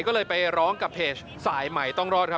ก็เลยไปร้องกับเพจสายใหม่ต้องรอดครับ